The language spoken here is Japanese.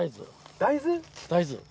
大豆？